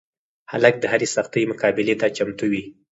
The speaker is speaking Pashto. هلک د هر سختي مقابلې ته چمتو وي.